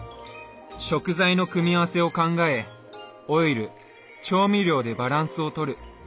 食材の組み合わせを考えオイル調味料でバランスを取る。